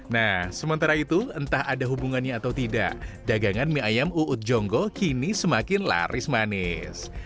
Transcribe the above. nah sementara itu entah ada hubungannya atau tidak dagangan mie ayam uud jonggo kini semakin laris manis